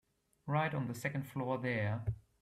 Right on the second floor there.